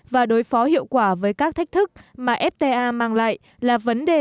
và đối phó hiệu quả với các thách thức mà fta mang lại là vấn đề